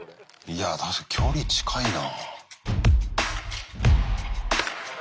いや確かに距離近いな。